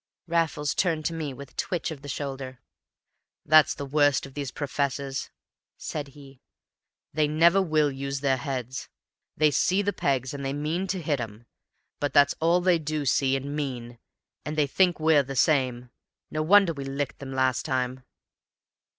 Raffles turned to me with a twitch of the shoulders. "That's the worst of these professors," said he; "they never will use their heads. They see the pegs, and they mean to hit 'em; but that's all they do see and mean, and they think we're the same. No wonder we licked them last time!"